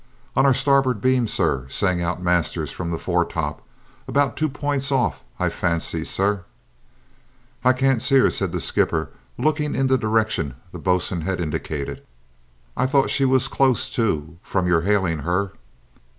"On our starboard beam, sir," sang out Masters from the foretop. "About two points off, I fancies, sir." "I can't see her," said the skipper, looking in the direction the boatswain had indicated. "I thought she was close to from your hailing her."